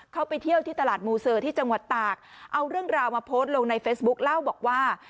เขาไปเที่ยวที่ตลาดมูเซอร์ที่จังหวัดตากเอาเรื่องราวมาโพสต์ลงในเฟซบุ๊คเล่าบอกว่า